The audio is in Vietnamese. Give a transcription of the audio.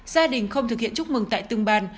gia đình không thực hiện chúc mừng tại từng bàn